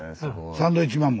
サンドウィッチマンも。